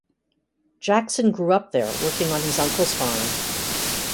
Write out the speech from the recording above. Jackson grew up there working on his uncle's farm.